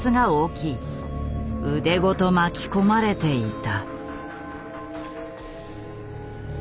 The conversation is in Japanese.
腕ごと巻き込まれていた。